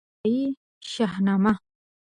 احمدشاهي شهنامه